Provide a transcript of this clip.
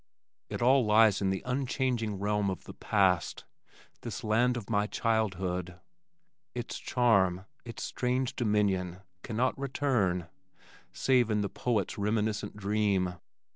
It all lies in the unchanging realm of the past this land of my childhood. Its charm, its strange dominion cannot return save in the poet's reminiscent dream.